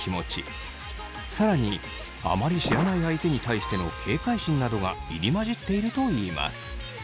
更にあまり知らない相手に対しての警戒心などが入り混じっているといいます。